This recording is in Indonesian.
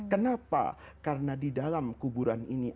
kenapa karena di dalam kuburan ini